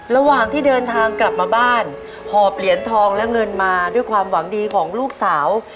ระหว่างที่เดินทางกลับมาบ้านหอบเหรียญทองและเงินมาด้วยความหวังดีของลูกสาว